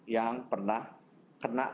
yang pernah kena